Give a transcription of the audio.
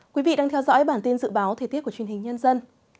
quý vị đang theo dõi bản tin dự báo thời tiết của truyền hình nhân dân